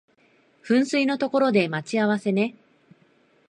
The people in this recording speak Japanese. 噴水の所で待ち合わせね